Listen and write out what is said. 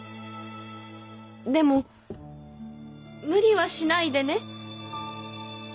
でも無理はしないでね。